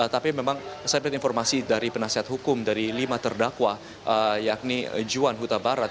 tapi memang saya dapat informasi dari penasihat hukum dari lima terdakwa yakni juan huta barat